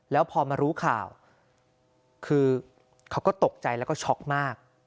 แล้วพอมารู้ข่าวคือเขาก็ตกใจแล้วก็ช็อกมาก